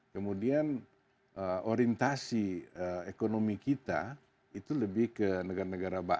kemudian orientasi ekonomi kita itu lebih ke negara negara barat